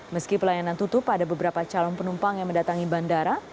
meski pelayanan tutup ada beberapa calon penumpang yang mendatangi bandara